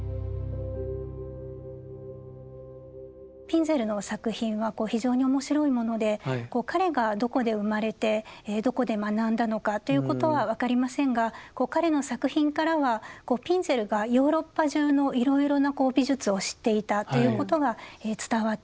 ピンゼルの作品は非常に面白いもので彼がどこで生まれてどこで学んだのかということは分かりませんが彼の作品からはピンゼルがヨーロッパ中のいろいろな美術を知っていたということが伝わってきます。